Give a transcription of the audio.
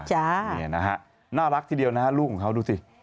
นี่นะฮะน่ารักทีเดียวนะฮะลูกของเขาดูสิ